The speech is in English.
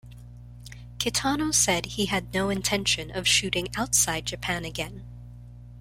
Kitano said he had no intention of shooting outside Japan again.